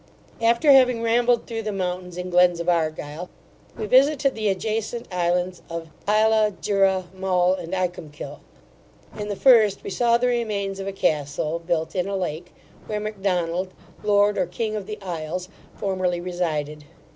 After having rambled through the mountains and glens of Argyle, we visited the adjacent islands of Ila, Jura, Mull, and Icomkill. In the first, we saw the remains of a castle, built in a lake, where Macdonald, lord or king of the isles, formerly resided.